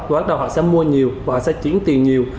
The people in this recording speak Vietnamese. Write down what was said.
và họ sẽ mua nhiều và họ sẽ chuyển tiền nhiều